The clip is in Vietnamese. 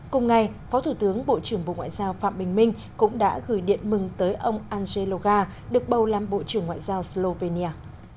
cùng ngày phó thủ tướng bộ trưởng bộ ngoại giao phạm bình minh cũng đã gửi điện mừng tới ông andrze loga được bầu làm bộ trưởng ngoại giao slovenia